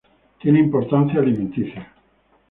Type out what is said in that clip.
Tiene importancia alimenticia